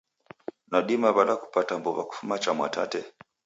Nadima w'ada kupata mbuw'a kifumbu cha Mwatate?